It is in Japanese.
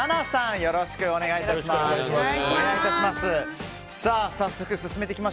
よろしくお願いします。